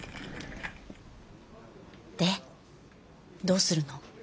どうするの？